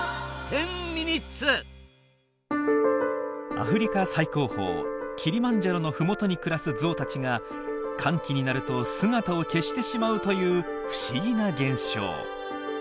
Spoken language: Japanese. アフリカ最高峰キリマンジャロのふもとに暮らすゾウたちが乾季になると姿を消してしまうという不思議な現象。